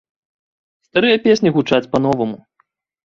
Старыя песні гучаць па-новаму.